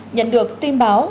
nhận được tin báo